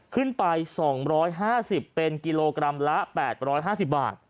ขึ้นไป๒๕๐เป็นกิโลกรัมละ๘๕๐บาท